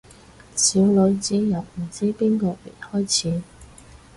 小女子由唔知邊個月開始